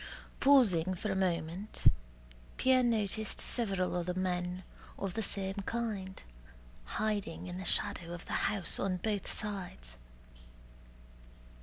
Pausing for a moment, Pierre noticed several other men of the same kind hiding in the shadow of the house on both sides.